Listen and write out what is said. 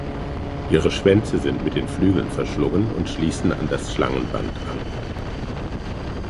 Ihre Schwänze sind mit den Flügeln verschlungen und schließen an das Schlangenband an.